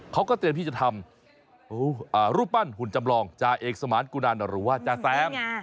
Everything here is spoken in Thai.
เขาก็เตรียมที่จะทำรูปปั้นหุ่นจำลองจาเอกสมานกุนันหรือว่าจาแซม